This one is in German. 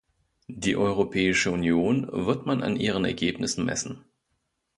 Die Europäische Union wird man an ihren Ergebnissen messen.